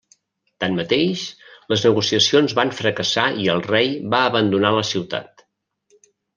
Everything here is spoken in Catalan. Tanmateix les negociacions van fracassar i el rei va abandonar la ciutat.